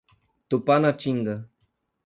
Tupanatinga